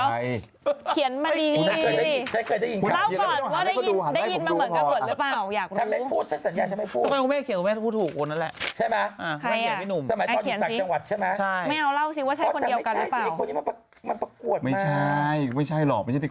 อันนี้หนูยังไม่จังนะแต่เราก็บอกแสว่าเป็น